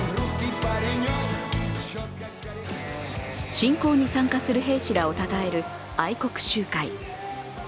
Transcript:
侵攻に参加する兵士らをたたえる愛国集会。